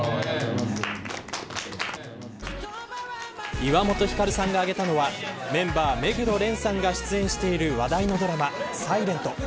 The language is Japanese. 岩本照さんが挙げたのはメンバー、目黒蓮さんが出演している話題のドラマｓｉｌｅｎｔ。